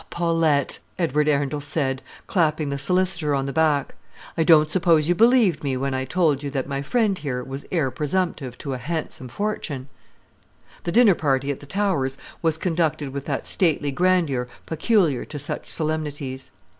"Ah, Paulette," Edward Arundel said, clapping the solicitor on the back, "I don't suppose you believed me when I told you that my friend here was heir presumptive to a handsome fortune." The dinner party at the Towers was conducted with that stately grandeur peculiar to such solemnities.